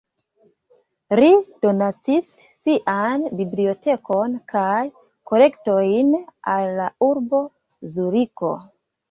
Li donacis sian bibliotekon kaj kolektojn al la urbo Zuriko.